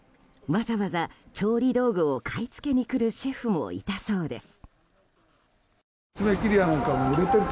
わざわざ調理道具を買い付けに来るシェフもいたそうです。